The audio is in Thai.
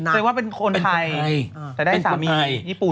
แสดงว่าเป็นคนไทยแต่ได้สามีญี่ปุ่น